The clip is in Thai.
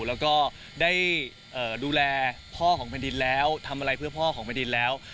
แล้วก็ได้ดูแลพ่อของแผ่นดินแล้วทำอะไรเพื่อพ่อของแผ่นดินแล้ว